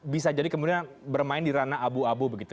bisa jadi kemudian bermain di ranah abu abu begitu